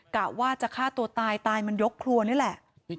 กะว่าจะฆ่าตัวตายตายมันยกครัวนี่แหละ